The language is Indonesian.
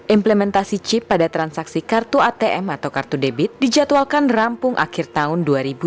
implementasi chip pada transaksi kartu atm atau kartu debit dijadwalkan rampung akhir tahun dua ribu dua puluh